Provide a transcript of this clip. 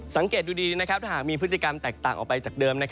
สังเกตดูดีถ้าหากมีพฤติกรรมแตกต่างออกไปจากเดิม